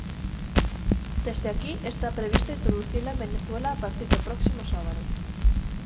Desde aquí está previsto introducila en Venezuela a partir do próximo sábado.